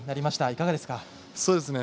いかがですか？